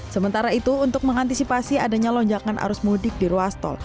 sementara itu untuk mengantisipasi adanya lonjakan arus mudik di ruas tol